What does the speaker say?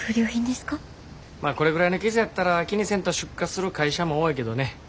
まあこれぐらいの傷やったら気にせんと出荷する会社も多いけどね